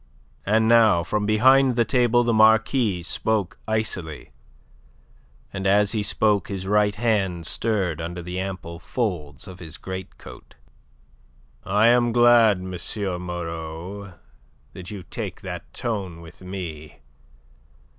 And now from beyond the table the Marquis spoke icily, and as he spoke his right hand stirred under the ample folds of his greatcoat. "I am glad, M. Moreau, that you take that tone with me.